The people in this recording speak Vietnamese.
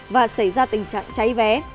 và xảy ra tình trạng cháy vé